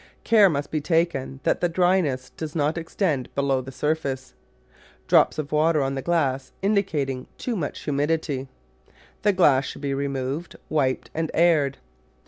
Care must be taken that the dry ness does not extend below the surface. Drops of water on the glass indicate too much humidity. The glass should be removed, wiped, and aired.